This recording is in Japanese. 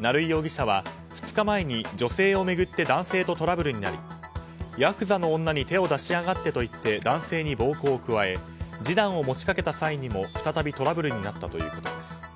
成井容疑者は２日前に女性を巡って男性とトラブルになりヤクザの女に手を出しやがってと言って男性に暴行を加え示談を持ち掛けた際にも再びトラブルになったということです。